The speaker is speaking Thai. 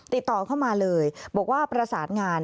ติดต่อเข้ามาเลยบอกว่าประสานงาน